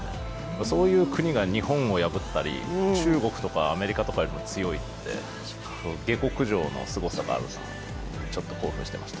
そういう国が日本を破ったり中国とかアメリカとかより強いって、下克上のすごくさがあるなと、ちょっと興奮していました。